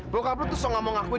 bokap lu tuh sok gak mau ngakuin